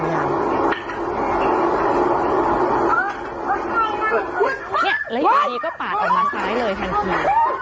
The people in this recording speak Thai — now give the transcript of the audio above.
นี่แล้วหลายก็ปากออกมาซ้ายเลยทันที